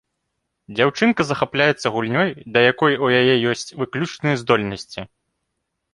Дзяўчынка захапляецца гульнёй, да якой у яе ёсць выключныя здольнасці.